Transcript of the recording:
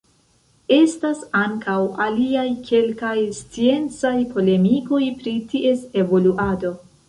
Estas ankaŭ aliaj kelkaj sciencaj polemikoj pri ties evoluado.